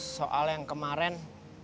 soal yang kemarin